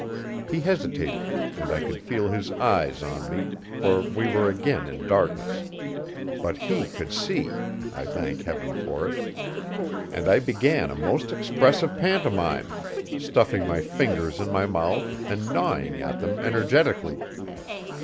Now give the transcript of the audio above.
He hesitated, and I could feel his eyes on me, for we were again in darkness. But he could see I thanked Heaven for it and I began a most expressive pantomime, stuffing my fingers in my mouth and gnawing at them energetically.